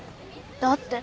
だって